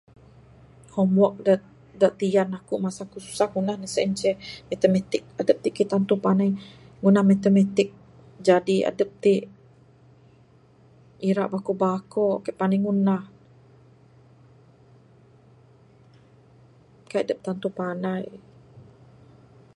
Homework da tiyan aku masa ku susah ngundah ne sien ceh matematik. Adep ti kaik tantu panai matematik. Ngunah matematik jadi adep ti IRA bakok bakok kaik panai ngunah. Kaik adep tantu panai.